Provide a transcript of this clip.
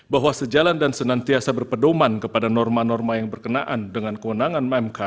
bahwa sejalan dan senantiasa berpedoman kepada norma norma yang berkenaan dengan kewenangan mk